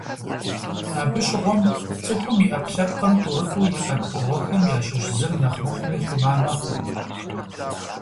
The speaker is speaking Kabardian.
Абы щыгъуэм, цӏыхум и ӏэпкълъпкъым тӏурытӏу иӏэ пкъыгъуэхэм ящыщ зыр нэхъ мыхъуми, хъума мэхъур.